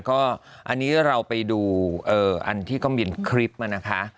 ก็อันนี้เราไปดูอันที่ก็มีคลิปมานะคะ